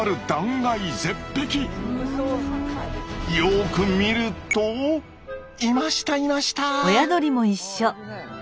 よく見るといましたいました。